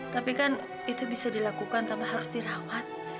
tapi kan itu bisa dilakukan tanpa harus dirawat